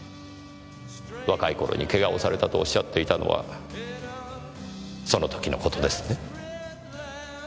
若い頃に怪我をされたとおっしゃっていたのはその時の事ですね。